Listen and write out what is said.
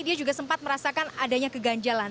dia juga sempat merasakan adanya keganjalan